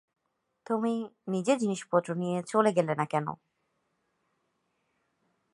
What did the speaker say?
তুমি নিজের জিনিসপত্র নিয়ে চলে গেলে না কেন?